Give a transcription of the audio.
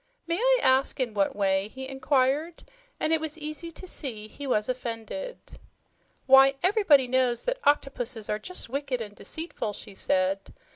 "May I ask in what way?" he inquired, and it was easy to see he was offended. "Why, ev'rybody knows that octopuses are jus' wicked an' deceitful," she said.